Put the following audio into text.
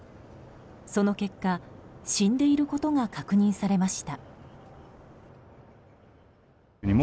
その結果、死んでいることが確認されました。